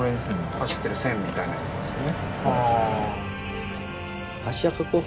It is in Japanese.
走ってる線みたいなやつですよね。